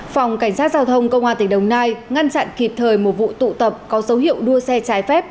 phòng cảnh sát giao thông công an tỉnh đồng nai ngăn chặn kịp thời một vụ tụ tập có dấu hiệu đua xe trái phép